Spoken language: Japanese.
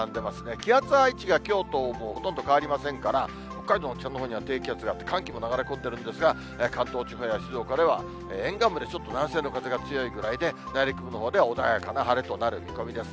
気圧配置がきょうと、もうほとんど変わりませんから、北海道の北のほうには低気圧があって、寒気も流れ込んでるんですが、関東地方や静岡では沿岸部でちょっと南西の風が強いぐらいで、内陸部のほうでは穏やかな晴れとなる見込みです。